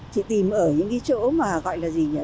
chị tìm ở những cái chỗ mà gọi là gì